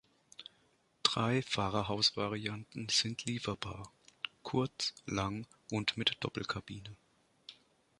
Drei Fahrerhaus-Varianten sind lieferbar: kurz, lang und mit Doppelkabine.